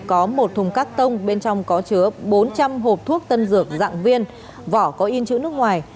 có một thùng cắt tông bên trong có chứa bốn trăm linh hộp thuốc tân dược dạng viên vỏ có in chữ nước ngoài